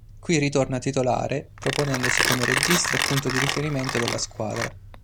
Qui ritorna titolare, proponendosi come regista e punto di riferimento della squadra.